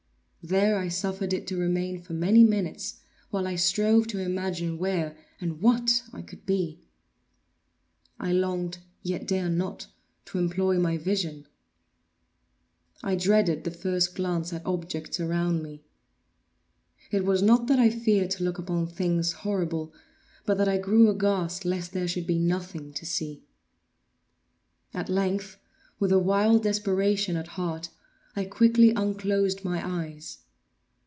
There I suffered it to remain for many minutes, while I strove to imagine where and what I could be. I longed, yet dared not to employ my vision. I dreaded the first glance at objects around me. It was not that I feared to look upon things horrible, but that I grew aghast lest there should be nothing to see. At length, with a wild desperation at heart, I quickly unclosed my eyes.